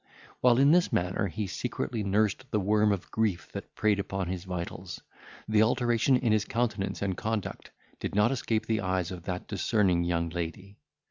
While in this manner he secretly nursed the worm of grief that preyed upon his vitals, the alteration in his countenance and conduct did not escape the eyes of that discerning young lady.